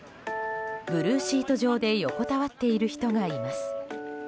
ブルーシート上で横たわっている人がいます。